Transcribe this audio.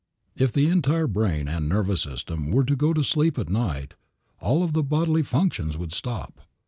If the entire brain and nervous system were to go to sleep at night all of the bodily functions would stop.